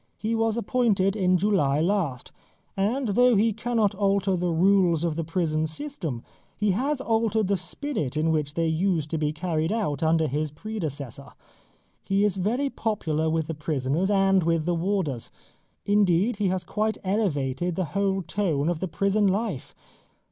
He was appointed in July last, and though he cannot alter the rules of the prison system, he has altered the spirit in which they used to be carried out under his predecessor. He is very popular with the prisoners and with the warders. Indeed he has quite elevated the whole tone of the prison life.